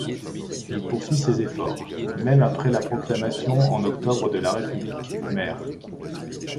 Il poursuivit ses efforts, même après la proclamation en octobre de la République khmère.